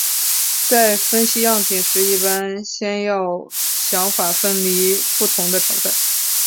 在分析样品时一般先要想法分离不同的成分。